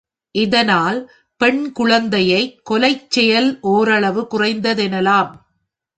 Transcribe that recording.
இதனால் பெண் குழந்தைக் கொலைச் செயல் ஓரளவு குறைந்ததெனலாம்.